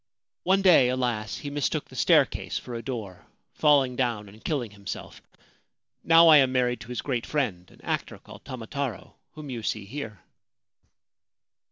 One day, alas, he mistook the staircase for a door, falling down and killing himself. Now I am married to his great friend, an actor called Tamataro, whom you see here.'